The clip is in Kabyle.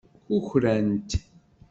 Kukrant.